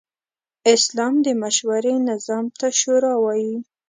اسلام د مشورې نظام ته “شورا” وايي.